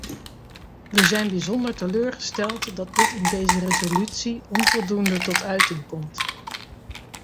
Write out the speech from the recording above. We zijn bijzonder teleurgesteld dat dit in deze resolutie onvoldoende tot uiting komt.